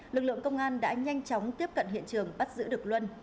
lực lượng công an đã nhanh chóng tiếp cận hiện trường bắt giữ được luân